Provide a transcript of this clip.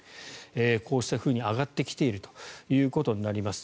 こうしたふうに上がってきているということになります。